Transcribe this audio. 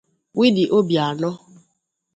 Willie Obiano